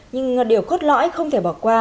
nhưng điều khốt lõi không thể bỏ qua